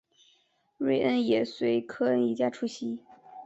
瑞恩也随科恩一家出席。